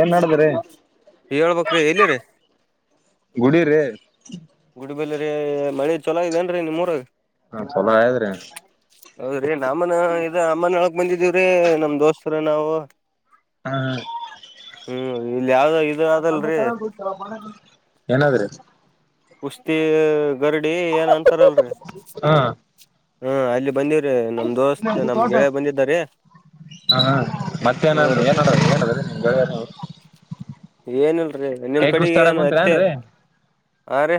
ಏನ್ ನಡದ್ರಿ ಹೇಳ್ಬೇಕ್ ರೀ ಎಲ್ಲಿರಿ ಗುಡಿ ರೀ ಗುಡಿಬಲ್ಲ ರೀ ಮಳಿ ಚೊಲ ಆಗದೇ ಏನ್ರೀ ನಿಮ್ಮೂರಗಾ. ಹಾ, ಚಲೋ ಆಗ್ಯಾದ್ರಿ ಹೌದ್ರೀ, ನಮ್ಮನ ಇದ ಅಮ್ಮನಕ್ ಬಂದಿದೀವ್ರೀ ನಮ್ ದೋಸ್ತರ ನಾವು. ಹ್ಮ ಹ್ಮ್ ಹ ಇಲ್ಲಿ ಯಾವ್ದ ಇದು [inaudible] ಅದಲ್ರಿ [inaudible] ಏನಾದ್ರೆ ಕುಸ್ತಿ ಗರಡಿ ಏನ್ ಅಂತಾರಲ್ರಿ, ಹಾ ಹಾ ಅಲ್ಲಿ ಬಂದಿ ನಮ್ ದೋಸ್ತ್ ನಮ್ ಗೆಳೆ ಬಂದಿದ್ದಾರಿ. ಹಾ, [unintelligible] ಹಾ ಮತ್ತೆ ಹ್ಮ್ ಏನಾದ ರೀ ಏನಡನದ್ರಿ ನಿಮ್ ಬ ಏನ ಏನಲ್ರಿ ನಿಮ್ ಕಡೆಗೆ ಆಡಕ್ ಏನು ಕುಂತೀರ ಹತ್ತೆ ಏನ್ರೀ ಆ ರೀ,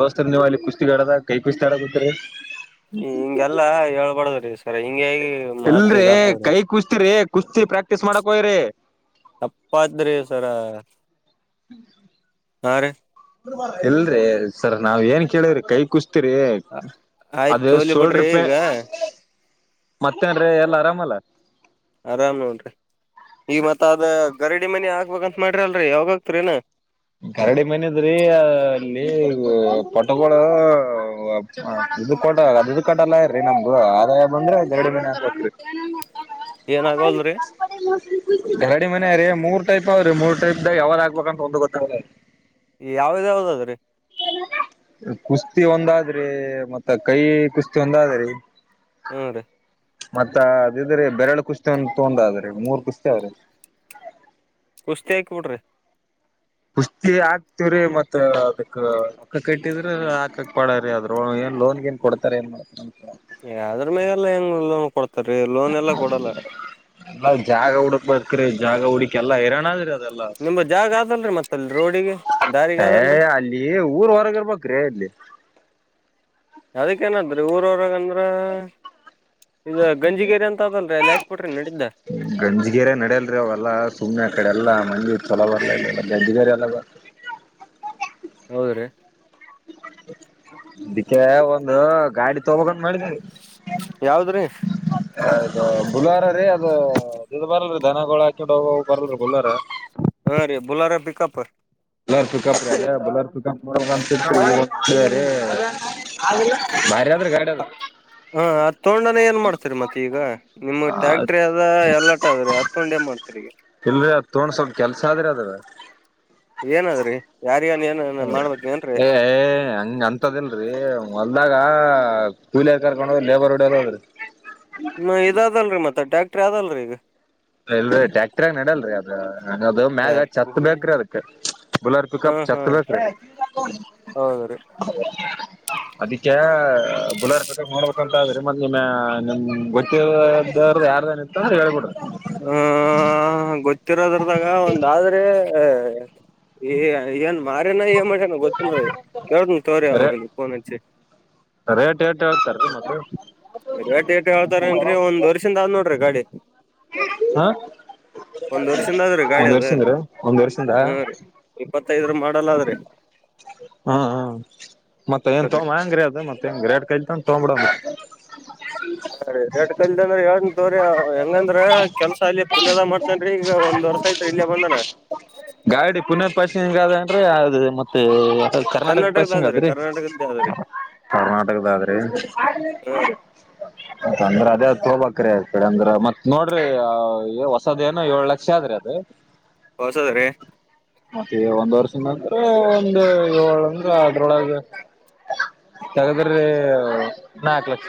ದೊಸ್ತ ನೀವು ಅಲ್ಲಿ ಕುಸ್ತಿಗಡದಾಗ ಕೈ ಕುಸ್ತಿ ಆಡದ್ರರಿ. [inaudible] ಹಿಂಗೆಲ್ಲಾ ಹೇಳ್ಬಾರಡ್ದ್ರಿ ಸರ ಹಿಂಗೆ ಹಾಗಿ ಮಾತ್ ಇಲ್ರಿ ಇದ ಆತವ್ರಿ. ಕೈ ಕುಸ್ತಿರಿ ಕುಸ್ತಿ ಪ್ರಾಕ್ಟೀಸ್ ಮಾಡಕೋಯ್ರರಿ [unintelligible] ತಪ್ಪಾತ್ ರಿ ಸರ [unintelligible] ಹ್ಮ ಹ್ಮ ಹ ರ ಇಲ್ರೀ ಸರ್ ನಾವ್ ಏನ್ ಕೇಳಿದ್ರಿ ಕೈ ಕುಸ್ ರಿ ಆಯ್ತ್ ಅದು ತೋಲಿ ಬಿಡ್ರಿ ಸೋಲ್ಡರ್ ಪೆ ಈಗ ಮತ್ತೇನ್ರಿ ಎಲ್ಲ ಆರಾಮಲ್ಲ ಆರಾಮ್ ನೋಡ್ರಿ ಈ ಮತ್ ಅದ ಗರಡಿ ಮನಿ ಹಗ್ಬೇಕಂತ ಮಾಡ್ರಿ ಅಲ್ರರಿ ಯಾವಾಗಾಗಗ್ತರಿನಾ ಗರಡಿ ಮನದ್ರಿ ಅಲ್ಲಿ ಪಟ ಇದು ಕಟ ಅದುದು ಕಟಲ್ಲ ಇರಿ ನಮ್ದು ಆದಾಯ ಬಂದ್ರೆ ಜಗಡಿ ಮತ್ರಿ ಏನ್ ಹ ಹ ನ ಆಗವಲ್ರಿ ತಪ ಗರಡಿ ಮನ ರೀ ಮೂರ್ ಟೈಪ್ ಅವ್ರೀ ಮೂರ್ ಟೈಪ್ ದಾಗ ಯಾವಾಗ ಆಗ್ಬೇಕಂತ ಒಂದು ಗೊತ್ತ್ರೆ ಯಾವ್ದ ಯಾವ್ದ ಅದ್ರೀ ಕುಸ್ತಿ ಒಂದಾದ್ರಿ ಮತ್ತ ಕೈ ಕುಸ್ತಿ ಒಂದಾದ್ರಿ ಹ್ಮ ರೀ ಮತ್ತ ಅದಿದ್ರೆ ಬೆರಳ ಕುಸ್ತಿ ಒಂತ ತೊಂದದ್ರೆ ಮೂರ್ ಕುಸ್ತಿ ಅವ್ರೀ ಕುಸ್ತಿ ಆಕ್ ಬಿಡ್ರಿ ಕುಸ್ತಿ ಹಾಕ್ತಿವ್ರೀ ಮತ್ತತ್ ಅದಕ್ ಅಕ್ಕ ಕ ಇಟ್ಟಿದ್ರ ಹಾಕಕ್ ಪಡ್ರೀ ಅದ್ರ ಲೋನ್ ನ್ ಕೊಡ್ತಾರೆ ಏನ್ ಮಾಡ ನ ಯದ್ರ ಮೇಲೆ ಎಲ್ಲ ಹೆಂಗ ಲೋನ್ ಕೊಡ್ತ ನಾವ ಜಾಗ ಹುಡುಕ್ ಬರ್ತ್ರೀ ಜಾಗ ಹುಡಕ ಎಲ್ಲಾ ಇರೋಣಾದ್ರಿ ಅದ ನಿಮ್ದ ಜಾಗ ಅದಲ್ರಿ ಮತ್ತ ಅಲ್ಲಿ ರೋಡಿಗೆ ದಾರಿಗ ಏ ಅದಲ್ರಿ ಅಲ್ಲಿ ಊರ್ ಹೊರಗಿರ್ಬೇಕ್ರೀ ಇಲ್ಲಿ ಹ ಅದಕ್ಕೇಏನಾದ್ರೀ ಊರವರಾಗಂದ್ರ ಇದು ಗಂಜಗೇರಿ ಅಂತ ಅದಲ್ರಿಯಕ್ ಗಂಜಗೆರೆ ನಡಲ್ರಿ ಅವಲ್ಲಾ ಸುಮ್ನೆ ಕಡೆ ಎಲ್ಲಾ ಮಂಜಿ ಚಲ ಬರ್ ಗಧಗ ಅಲ್ಲ ಹೌದ್ರೀ ಇದಕ್ಕೆ ಒಂದು ಗಾಡಿ ತೊಗಕಂದ ಮಾಡಿದವಿ ಯಾವದ್ರೀ ಅದು ಬುಲ್ವಾರ ರೀ ಅದ ಇದು ಬರಲ್ರಿ ದನಗಳು ಹಾಕೊಂಡು ಹೋಗೋಗ ಬರ್ಲ್ರಿ ಬುಲ್ವಾರ ಹಾ ರೀ Bolero pickup Bolero pickup Bolero pickup ಬಾರಿದ್ರೆ ಗೈಡ ಅದು ಹಾ ಹತ್ತೊಂಡನ ಏನ್ ಮಾಡ್ತರಿ ಮತ್ತೆ ಈಗ ನಿಮ್ ಟ್ಯಾಕ್ಟ್ರ ಅದ ಎಲ್ಲಾಟ ಅದ್ರೀ ಹತ್ತೊಂಡೆ ಮಾಡ್ತಾರೆಗ ಇಲ್ಲ ತೊಡ ಸ್ವಲ್ಪ ಕೆಲ್ಸ ಆದ್ರೆ ಅದ್ರ ಏನಾದ್ರಿ ಯಾ ಹ ಏ ಹಂಗ ಅಂತದಲ್ರಿ ಹೊಲ್ದಾಗ ಕೂಲಿಯರ್ ಕರ್ಕೊಂಡು ಹೋದ್ ಲೇಬರ್ ಡಲ್ಲ ಹೋದ್ರಿ ನ ಇದ ಅದಲ್ರರಿ ಮತ್ತೆ ಟ್ಯಾಕ್ಟ್ರ ಅದಲ್ರೀ ಈಗ ಇಲ್ ಟ್ಯಾಕ್ಟರ್ ಆಾಗ ನಡಲ್ರಿ ಅದ ಅದು ಮ್ಯಾಗ ಯಾಕ ಚಛತ್ ಬೇಕ್ರೀ ಅದಕ್ ಬುಲಾರ್ ಪ ಹಾ ಕಪ್ ಹಾ ಚಕ್ರದು ಹೌದ್ರಿ ಅದಕ್ಕೆ ಬುಲಾರಪ ಮಾಡ್ಬೇಕಂತ ಅ್ರಿ ಮ ನಿಮ್ಮ ನಿಮ್ ಗೊತ್ತಿ ಯಾರ್ದಏನಿತ್ತುಂತ ಹ ಹೇಳಳ್ಿಡ್ರಿ ಹ ಗೊತ್ತಿರೋದ್ರದಾಗ ಒಂದಾದ್ರೆ ಹ ಏ ಏನ್ ಮರೆ ನ ಎ ಮಾಡ ಗೊತ್ತಿಲ್ಲ ರ ಕೆವತ ತೋರ ರೇ ೋನ್ ರೇಟ್ ೇಟ್ ಹೇಳ್ತಾರೆತ್ತೆ ರೇಟ್ ಏಟ ಹೇಳ್ತಾರೇಏನ್ರರಿ ಒಂದ್ ವರ್ಷಿಂದ ಆದ್ ನೋಡ್ರಿ ಗಾಡಿ ಹಾ ಒಂದ್ ವರ್ಷಿಂದ ಆದ್ರಿ ಗಾಡಿ ಒಂದ್ ಅದ ವರ್ಷ ಅಂದ್ರ ಒಂದ್ ವರ್ಷಿಂದ ಹ್ಮ ರೀ ಇಪ್ಪತ್ತೈದ್ರ ಮಾಡಲ್ ಆದ್ರಿ ಹ್ಮ ಹ್ಮ ಮತ್ತೆ ಏನ್ ತೋ ಹೆಂಗ್ರ ಅದು ಮತ್ತೆ ಹೆಂಗ ಕೇಕಂತ ತೊಂಬಬಿದಮ್ ್ರ ಹೆಂಗಂದ್ರ ಕೆಲ್ಸ ಅಲ್ಲಿ ಪುನ್ಯದ ಮಾಡ್ತನ್್ರಿ ಈಗ ಒಂದ್ ವರ್ಷ ಐತ್ರಿ ಇಲ್ಲೇ ಬಂದನ ಗಾಡಿ ಪುನರ್ಪಾಸಗಾದ ಅಂದ್ರೆ ಅದು ಮತ್ತೆ ಅ ಕರ್ನಾಟಕ ಕರ್ನಾಟಕದ ಪಷಿಂಗ ಅದ್ರಿ ಕರ್ನಾಟಕದ್ದೇ ಅದ್ರಿ ಕರ್ನಾಟಕದ ಆದ್ರಿ ತಂದ್ರೆ ಅದೇ ೋ ಬಕ್ರ ಆಗ್ತಾರೆ ಅಂದ್ರ ಮತ್ ನೋಡ್ರಿ ಹೊಸದೇಏನೋ ಏಳ್ ಲಕ್ಷ ಆದ್ರಿ ಅದ ಹೊಸದ ರೀ ಮತ್ತೆ ಒಂದ್ ವರ್ಷದ ನಂತ್ರ ಒಂದ ಏಳ ಅಂದ್ರ ಅದ್ರೊಳಗೆ ತಗದ್ರೆ ನಾಕು ಲಕ್ಷ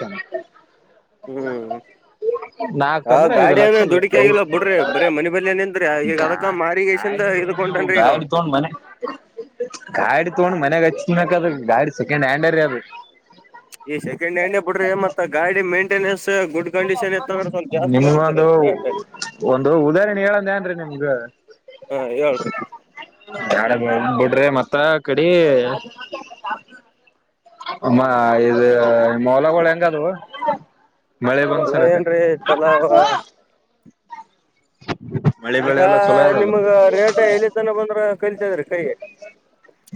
ಹ್ಮ್ ನಾಕ್ ಹಾ ಅಂದ್ರೆ ಐದು ಲಕ್ಷ ಗಾಡಿಯನ ದುಡಕಿ ಐದ್ ಆಗಿಲ್ಲ ಬಿಡ್ರಿ ಬರೀ ಮನೆ ಬಳಏಂದ್ರಿಗ ಗಾ ಅದಕ್ಕ ಮಾರಿಗೇಶನ್ದ ಗಾಡಿ ಗಾಡಿ ತೊಂಡ ಮನೆ ಗಾಡಿ ತೊಂಡ್ ಮನೆಗೆಚ್ನ ಕದ ಗಾಡಿ ಸೆಕೆಂಡ್ ಹ್ಯಾಂಡ್ ಅರ್ ಅದು ಈ ಸೆಕೆಂಡ್ ಹ್ಯಾಂಡೇ ಬಿಡ್ರಿ ಮತ್ತ ಗಾಡಿ ಮೇಂಟೆನೆನ್ಸ್ ಗುಡ್ ಕಂಡೀಷನ್ ಇತ್ತಂದ್ರ ಸ್ವಲ್ಪ ಜಾಸ್ತಿ ಇರ್ತದ್ರಿ ನಿಮ್ಗೊಂದು ರೇಟ್ ಒಂದು ಉದಾಹರಣೆ ಹೇಳಂದ ಏನ್ರಿ ನಿಮ್ಗ ಹಾ ಹೇಳ್ರಿ ಬಿಡ್ರಿ ಮತ್ತ ಕಡಿ ಅಮ್ಮ ಇದು ಮಲಗೋಳ ಹೆಂಗದು ಮಳೆ ಹೊಲ ಬಂದ್ಸಲಕ ಏನ್ರಿ ಚಲೋ ಅವ ಮಳೆ ಈಗ ಬೆಳೆ ಎಲ್ಲ ಚಲೋ ಅದಲ್ಲ ನಿಮಗ ರೇಟ್ ಎಲ್ಲಿ ತನ ಬಂದ್ರ ಕಲಿತದ್ರಿ ಕೈಗೆ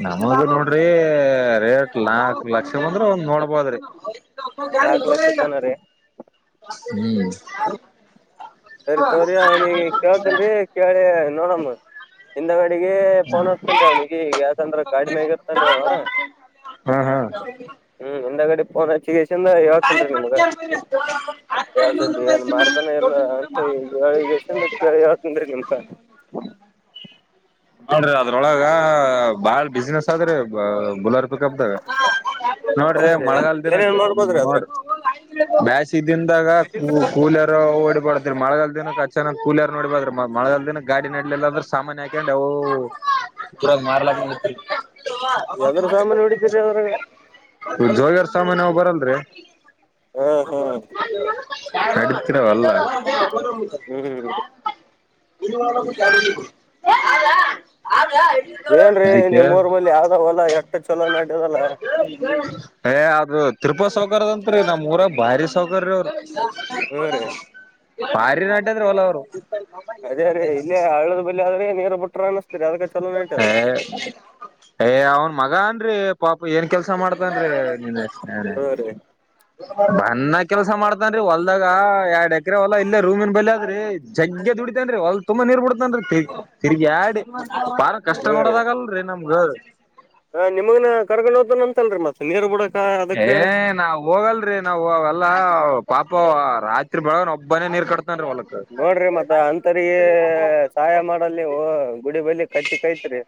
ನಮಾಗ ನೋಡ್ರಿ ರೇಟ್ ನಾಕು ಲಕ್ಷ ಅಂದ್ರೆ ಒಂದ್ ನೋಡ್ಬೋದ್ರಿ ನಾಕ್ ಲಕ್ಷ ತನ ರೀ ಹ್ಮ್ ಸರಿ ತೋ್ರಿ ಅವನಿಗೆ ಕೇಳಳ್ತನ್ರಿ ಕೇಳಿ ನೋಡಮ್ಮ ಹಿಂದ ಗೆ ಪೊನಹಚ್ಚೆಟಿನಿರಿ ಅವನಿ ಈಗ ಂದ್ರ ಕಾಡಿಮೆಾಗ ಇತನ್್ರೀ ಅವ ಹಾ ಹಾ ಹ್ಮ ಹಿಂದಗಡೆ ಪೋನ್ಚ್ಚ ಿಂದ ಹೇಳ್ತೇನ್ೀ ನಿಮ್ಗ ಯಾವ ಸ್ದ್ರಿ ಏನ್ ಮಾರ್ತಾನ ಎಲ್ಲ ಹೇಳಿಗೆಸಿಂದ್ರ ಕೇಳಿ ಹೆಲ್ಟಿನ್ರಿ ನಿಂಗ ನೀ ಅದ್ರೊಳಗ ಬಾಳ್ ಬಿಸ್ಿನೆಸ್ ಆದ್ರೆ ಬುಲರ್ ನೋಡ್ರಿ ಹೌದ್ರಿ ಮಳೆಗಾಲ ದಿನ ಏನೇನ್ ಮಾಡ್ಬೋದ್ರಿ ನೋಡ ಅದ್ರಾಗ. ಬ ಇದಿಂದಾಗ ಕ ಕೂಲರ್ ಡಿಬಾರ್ದ್ರ ಮಳಗಾಲ ದಿನಕ್ಕೆ ಅ ಚೆಾಗಿ ಕೂಲರ್ ನೋಡಿಡ್ಬಾರ್ದ್ರ ಮಳಗಾಲ ದಿನ ಗಾಡಿನಡ್ಲೆಲ್ಲಾದ್ರೂ ಸಾಮಾನ್ಯ ಹಾಕೊಂಡು ಅವು ಪೂರ ಮಾರ್ಲ [inaudible] ಎದ್ರ ಸಾಮಾನ್ ಹೊಡಿತೀರಿ ಅದ್ರಾಗ. ಜಗಾರ್ ಸಾಮಾನ್ವು ಬರಲ್ರಿ ಹಾ ಹಾ ನಡಕರವಲ್ಲ ಹ್ಮ್ ಆದ ಏನ್ರೀ [unintelligible] ದಕ್ಕೆ ನಿಮ್ಮೂರ್ ಬಲ್ಲಿ ಯಾವ್ದ ಹೊಲ ಎಟ್ಟ ಚಲೋ ನಡ್ಯದಲ್ಲ ಹ ತಿರುಪಾ ಸೌಕರದಂತ್ ರೀ ನಮ್ಮ್ ಊರ ಭಾರಿ ಸೌಕರ ರೀ ಅವರು ಹ್ಮ ರೇ ಪಾರಿ ನಟ ಅಂದ್ರೆ ಅವರ ಅದೇ [unintelligible] ಅದೇ ಇಲ್ಲೇ ಆಳದ ಬಲ್ಲಿ ಆದ್ರೆ ನೀರ ಬಿಟ್ರ ಅನ ಹ ಹ ಅವ ಅವನ್ ಮಗನ್ ಅನ್ ಪಾಪ ಏನ್ ಕೆಲ್ಸಾ ಮಾಡ್ತ ಅಂದ್ರೆ ನೀ ಹಾ ರೀ ಬನ್ನ ಕೆಲ್ಸ ಮಾಡ್ತನ್ ಹೊಲ್ದಾಗ ಎರಡ್ ಎಕರೆ ಹೊಲ್ಲ ಇಲ್ಲೇ ರೂಮನ್ ಬಲದ್ರಿ ಜಗ್ಗ ದುಡಿತತೇನ್ರಿ ಒಲ್ ತುಂಬಾ ನೀರ್ ಬಿಡತೇನ್ರಿ ತಿಗ ತಿರ್ಗ ಆಡಿ ಬಾರ ಕಷ್ಟ ಹ್ಮ ರೀ ನೋಡೋದಗಲ್ರರಿ ನಮ್ಗ ಹ ನಿಮಗನ ಕರ್ಗೊಂಡೋದ ಅಂತಲ್ರಿ ಮತ್ತ ನೀಡ ಏ ನಾವ ಹೋಗಲ್ರಿ ನಾವ್ ನಾವೆಲ್ಲ ಪಾಪ ರಾತ್ರಿ ಬೆಳಗ ಒಬ್ಬನೇ ನೀರ್ ಕಟ್ತ ನೋಡ್ರಿ ಮತ್ತ ಅಂತರಗೆ ಸಹಾಯ ಮಾಡಲ್ಲಿ ಗುಡಿ ಬಲಿ ಕತ್ತಿ ಕೈತ್ರಿ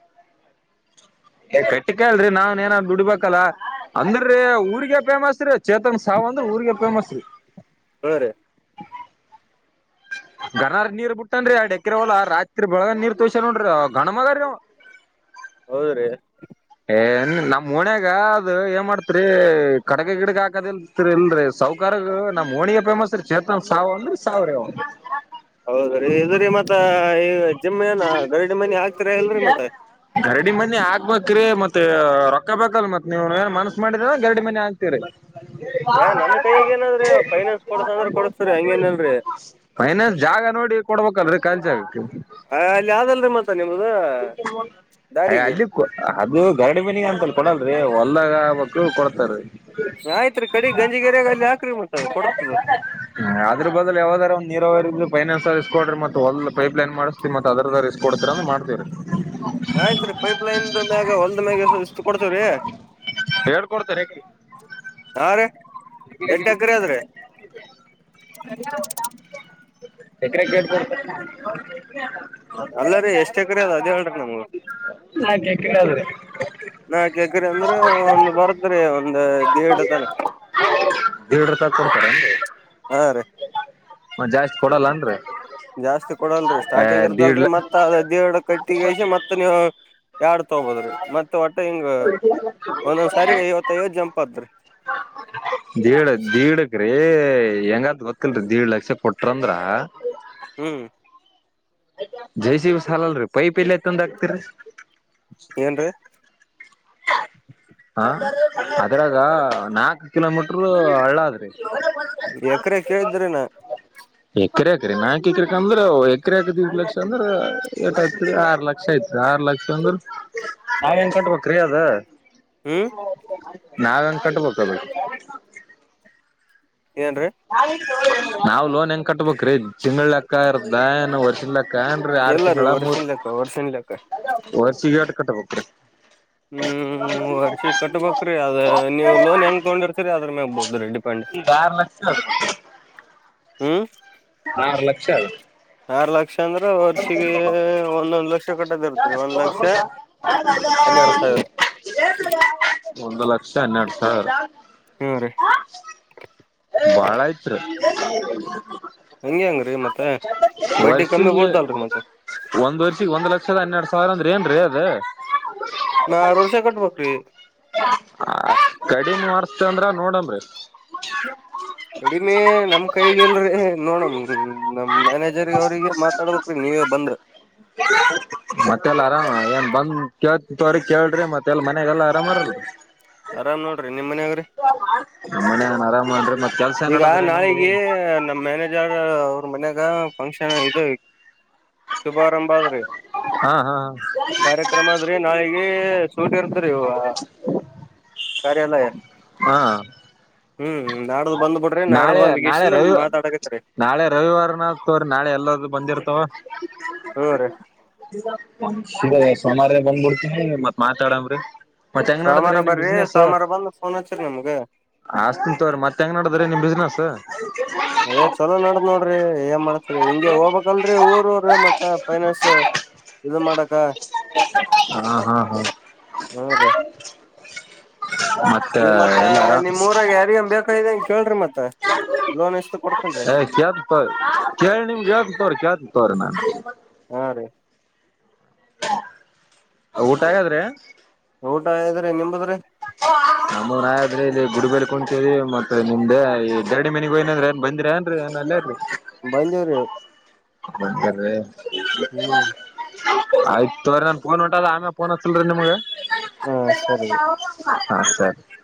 ಕಟ್ಟಿಕಲ್ರರಿ ನಾವನ್ ಏನ ದುಡ್ಬೇಕಲ್ಲ ಅಂದ್ರೀ ಊರ್ಗ ಫೇಮಸ್ ರೀ ಚೇತನ್ ಸಾವ ಅಂದ್ರೆ ಊರಿಗೆ ಫೇಮಸ್ ರೀ ಹ್ಮ್ ರೀ. [unintelligible] ಗನರ ನೀರ್ ಬಿಟ್ಟನ್ರಿ ಆ ಡೆಕ್ರವಲ್ಲ ರಾತ್ರಿ ಬೆಳಗ ನೀರ್ ತೋಸ ನೋಡ್ರಿ ಅವ ಗಣನ್ ಮಗಾರಿ ಅವ ಹೌದ್ರಿ ಏನ್ ನಮ್ ಮನಾಗ ಅದು ಏ ಮಾಡ್ತ್ರಿ ಕಡಗ ಗಿಡಗ ಹಾಕದಿಲ್ತ್ರಿ ಇಲ್ರರಿ ಸೌಕಾರ ನಮ್ ಹೋಣಿಗೆ ಫೇಮಸ್ ರೀ ಚೇತನನ್ ಸಾವ ಅಂದ್ರೀ ಸಾವ್ರೇ ಹೌದ್ರಿ ಇದ್ರಿ ಮತ್ತ ಈ ಜಿಮ್ ಏನ ಗರಡಿ ಮನಿ ಹಾಕ್ತಿರ ಇಲ್ರಿ ಮತ್ತ ಗರಡಿ ಮನ್ನೆ [unintelligible] ಕಿರೆ ಮತ್ತೆ ಮತ್ತ ರೊಕ್ಕ ಬೇಕಲ್ ಮತ್ ನೀವ ಏನ್ ಮನ್ಸ್ ಮಾಡಿದ್ರ ಗರಡಿ ಮನೆ ಆಕ್ತೀರಿ ಏ ನಮ್ ಕೈಯಗ ಏನಾದ್ರೀ ಫೈನಾನ್ಸ್ ಕೊಡಸ ಅಂದ್ರ ಕೊಡಸ್ಸ್ರರಿ ಹಂಗೇಏನಲ್ರರಿ ಮೈನ ಜಾಗ ನೋಡಿ ಕೊಡ್ಬೇಕಲ್ರರಿ ಕಾಲ್ಚಿ ಆಗಕ್ಕೆ ಹ ಅಲ್ಲಿ ಯಾವ್ದದಲ್ರೀ ಮ [unintelligible] ಹ ಅಲ್ಲಿ ಅದು ಗರಡಿ ಮನಿಗೆ ಅಂತಲ್ಲ ಕೊಡ ಹೊಂದಗ [unintelligible] ಕೊಡ್ತಾರೀ [unintelligible] ಆಯ್ತ್ರಿ ಕಡಿ ಗಂಜಿಗೇರಿಯಾಗ ಅಲ್ಲಿ ಹಾಕ್ರಿ ಮತ್ತ ಕೊಡ್ತದ ಹ್ಮ ಅದ್ರ ಬದಲು ಯಾವದೂಂದು [unintelligible] ಪೈನ್ರಿಸ್ಕಡ್ರರಿ ಮೆ ಒಲ್ ಪೈಪ್ ಲೈನ್ ಮಾಡಿಸತತಿ ಮ ಅದ ಇಸ್ಕ ಕೊಡ್ರಿ ಅಂತ ಮಾಡ್ತವರಿ ಆಯ್ತ್ ರೀ ಪೈಪ್ಲೈನ್ ಮ್ಯಾಗ ಹೊಲ್ದ ಮ್ಯಾಗ ಕೊಡ್ತೇವ್ರೀ ಹೇಳ್ಕೊಡ್ತಾರ ಹ ರಿ [unintelligible] [inaudible] [unintelligible] ಕ್ರಿಕೆಟ್ [unintelligible] ಅಲ್ಲರಿ ಎಷ್ಟ್ ಎಕ್ರ ಅದ ಅದ ಹೇಳ ನಂಗು ನಾಕ್ ಎಕರೆ ಅದ್ರಿ ನಾಕ್ಎಕ್ರೆ ಅಂದ್ರೆ ಒಂದು ಬರ್ತ್ರಿ ಒಂದ ದೇಡು ತನ [unintelligible] [unintelligible] ದಡ್ ರಪಾಯ ಕೊಡ್ತಾರ ಹಾ ರೀ ಮ [unintelligible] ಜಾಸ್ತಿ ಕೊಡಲ್ಲ ಜಾಸ್ತಿ ಕೊಡಲ್ರರಿ ಸ್ಟಾರ್ಟಿಂಗ್ ದೀಡ್ ಇರ್ತಲ್ರರಿ ಲ ಮತ್ತತ್ ಅದದ ದೇರಡ ಕಟ್ಟಿಗಸ ಮತ್ತತ್ ನೀವು ಎರಡ್ ತಗಬೋದ್ರಿ ಮತ್ತೆ ಒಟ್ಟೆ ಹಿಂಗ ಒಂದೊಂದ್ ಸಾರಿಗೆ ಐವತ್ತ ಐವತ್ತು ಜಂಪ್ ಅತರಿ [unintelligible] [inaudible] ಹೆಂಗಾರ್ದ ಗೊತ್ತಲ್ರಿ ಏಳು ಲಕ್ಷ ಕೊಟ್ರಂದ್ರ ಹ್ಮ್ ಜೆಸಿಬಿ ಸಾಲಲ್ಲರೀ ಪೈಪ್ ಇಲ್ಲೆ ತಂದ ಆಗ್ತಿರಿ ಏನ್ರೀ [unintelligible] ಹ ಅದ್ರಾಗ ನಾಕ್ ಕಿಲೋಮೀಟರ್ ಹಳ್ಳ ಆದ್ರಿ ಎಕರೆ ಕೇಳಿದ್ರನ ಎಕರೆ ಎಕ್ರ ನಾಲ್ಕು ಎಕ್ರ ಅಂದ್ರ ಎಕರೆ ಆಕತಿ ಇ [unintelligible] ಲಕ್ಷ ಅಂದ್ರ ಎಏ ಐತ್ರಿ ಆರು ಲಕ್ಷ ಯತ್ ಆರ್ ಲಕ್ಷ ಅಂದ್ರ ನಾವ ಹೆಂಗ ಕಟ್ಬೇಕ್ರೀ ಅದ ಹ್ಮ್ ನಾವೇಂಗ್ ಕಟಬೇಕದು ಏನ್ರೀ ನಾವ್ ಲೋನ್ ಹೆಂಗ ಕಟ್ಬೇಕ್ರೀ ತಿಂಗಳ ಲೆಕ್ಕ ಇರ್ದ ವರ್ಷಿದ ಲೆಕ್ಕ [unintelligible] [unintelligible] ಕನ್ ಆರು ಇಲ್ಲರಿ ತಿಂಗಳ ಮೂರ್ ವರ್ಷಿನ್ ಲೆಕ್ಕ ವರ್ಷಿನ್ ಲೆಕ್ಕ ವರ್ಸಿಗೆಟ್ ಕಟ್ಟಬ್ರೀ [inaudible] [unintelligible] ಹ್ಮ್ ವರ್ಷಿ ಕಟ್ಬ್ರೀ ಅದ ನೀವು ಲೋನ್ ಹೆಂಗ್ ತಗೊಂಡಿರ್ತೀರಿ ಅದ್ರ ಮ್ಯಾಗಬೋದ್ರೀ ಡಿಪೆಂಡ್ ಯಾರ ನ [unintelligible] ಹ್ಮ್ ಆರ ಲಕ್ಷ ಅದು ಆರ್ ಲಕ್ಷ ಅಂದ್ರ ವರ್ಷಿಗೆ ಒಂದೊಂದ್ ಲಕ್ಷ ಕಟ್ಟೋದ್ ಇರ್ತ್ರಿ [unintelligible] ಒಂದ್ ಲಕ್ಷ ಯುಗಪುರೀಷ್ ಹಗ್ಗ ಆ [unintelligible] ಏನಾರ [unintelligible] ಹನ್ನೆರಡ್ ಸಾವಿರ ಒಂದ್ ಒಂದು ಲಕ್ಷ ಹನ್ನೆರಡು ಸಾವಿರ ಹ್ಮ ರೀ ಬಾಳ ಐತ್ರಿ ಹಂಗೆ ಹೆಂಗ್ರಿ ಮತ್ತ [unintelligible] ಬಡ್ಡಿ ಕಮ್ಮಿ ವರ್ಷಿಗೆ ಬೀಳ್ತಲ್ರಿ ಮತ್ತ ಒಂದ ವರ್ಷಿಗೆ ಒಂದು ಲಕ್ಷ [unintelligible] ಲಕ್ಷದ ಹನ್ನೆರಡು ಸಾವಿರ ಅಂದ್ರ ಏನ್ರೀ ಅದ [unintelligible] ನಾ ಆರ್ ವರ್ಷ ಕಟ್ಬೇಕ್ರಿ ಆ ಕಡಿಮೆ ಮಾರತ ಅಂದ್ರ ನೋಡನ ರಿ [unintelligible] ಟಕ್ ಹೊಯ್ ಕಡಿಮೆ ನಮ್ ಕೈಗೆಲ್ರರಿ ನೋಡಮ ನಮ್ ಮ್ಯಾನೇಜರ್ ಅವ್ರಿಗೆ ಮಾತಾಡ್ಬೇಕ್ರೀ ನೀವ ಬಂಧು ಮತ್ತೆಲ್ಲಾ ಆರಾಮಾ ಕತ್ ತರಿ ಕೇಳ್ರಿ ಮತ್ತೆ ಎಲ್ಲ ಮನೆಯಗೆಲ್ಲಾ ಆರಾಮರಲ್ರಿ ಆರಾಮ್ ನೋಡ್ರಿ ನಿಮ್ ಮನ್ಯಾಗ್ರಿ [unintelligible] ನಮ್ಮನನರ [unintelligible] ಈಗ ನಾಳಿಗೆ ನಮ್ಮ್ ಮ್ಯಾನೇಜರ್ ಮನೆಗಾ ಫಂಕ್ಷನ್ ಇದು ಶುಭಾರಂಭ ಆದ್ರಿ ಹಾ ಹಾ ಕಾರ್ಯಕ್ರಮ ಅ ಆದ್ರೆ ನಾಳಿಗೆ ಸೂಟ ಇರ್ತ್ರಿ ಹ ಕಾರ್ಯಾಲಯ ಹಾ ಹಾ ಹ್ಮ್ ನಾಡ್ದ್ ಬಂದ್ ಬಿಡ್ರಿ ನಾಡ್ದ್ ನಾಳೆ ಬಂದ್ ನಾಳೆ ಗೇಶಿಂದ ರ ಮಾತಾಡಕತ್ರಿ ನಾಳೆ ರವಿವಾರನತ್ರಿ ನಾಳೆ ಎಲ್ಲ ಬಂದು ಇರ್ತಾವ ಹ್ಮ್ ರೀ [unintelligible] ಗ ಸೋಮಾರ ಬಂದ್ಬಿಡ್ತೀನ ಮತ್ ಮಾತಾಡಂಬ್ರಿ ಮತ್ತೆ ಹೆಂಗ್ ನಡದ್ರೀ ಸೋಮವಾರ ನಿಮ್ ಬರ್ರಿ ಬಿಸ್ನೆಸ್ ಸೋಮವಾರ ಬಂದ್ ಫೋನ್ ಹಚ್ಚ್ರಿ ನಮ್ಗ ಆಸ್ಂತ್ರ ಮತ್ತ ಹೆಂಗ್ ನಡಿದ್ರೆ ನಿಮ್ ಬಿಸ್ನೆಸ್ ಅದ್ ಚಲೋ ನಡ್ದ್ ನೋಡ್ರಿ ಏನ್ ಮಾಡತ್ರಿ ಹಿಂಗಗೆ ಹೋಗ್ಬೇಕಕ್ಲ್ರರಿ ಊರ ಊರ ಮತ್ತ ಫೈನಾನ್ಸ್ ಇದು ಮಾಡಕ್ಕ ಹ್ಮ ಹ್ಮ್ ಹಾ ರೀ ಹ್ಮ್ ಈ ಮತ್ತ ಎಲ್ಲಾರ ನಿಮ್ ಊರಾಗ ಯಾರಿ ಬಕ್ದ ಏ ಕ್ಯಾತ ತವ ಕೇಳಿ ನಿಮ್ಗೆ ಯಾತ ತವ್ರಿ ಕ್ಯಾತಿ ತವ್ರಿ ನಾ ಹಾ ರೀ ಊಟ ಹಾಗಾದ್ರೆ ಊಟದ್ರೆ ನಿಮ್ದು ನಮ್ಮ ನಾಯ ಆದ್ರೆ ಇಲ್ಲಿ ಗುಡಬಲಿ ಕುತೇವಿ ಮತ್ತೆ ನಿಮ್ದೆ ಈ ಎರಡ್ಡಿ [unintelligible] ಮನೆಗ ಹಯನಂದ್ರ ಏನ್ ಬಂದಿರಿ ಏನ್ರಿೀಏ ಅಲ್ಲೀ [unintelligible] ಬಂದೇವ್ರಿ ಬದೆ ಹ್ಮ್ [unintelligible] ಆಯ್ತ ತ್ರರಿ ನನ್ ಪಫೋನ್ ಹೊಂಟದ ಆಮೇಲೆ ಫೋನ್ ಹತ್ತಲ್ರಿ ನಿಮಗ ಹಾ ಸರಿ ಹಾ ಸರಿ